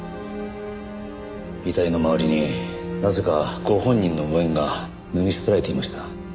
遺体の周りになぜかご本人の上着が脱ぎ捨てられていました。